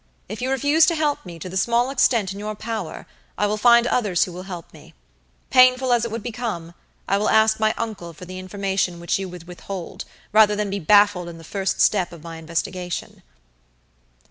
If you refuse to help me to the small extent in your power, I will find others who will help me. Painful as it would become, I will ask my uncle for the information which you would withhold, rather than be baffled in the first step of my investigation."